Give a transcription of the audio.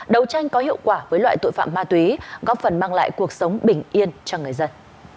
đấu tranh có hiệu quả với loại tội phạm ma túy góp phần mang lại cuộc sống bình yên cho người dân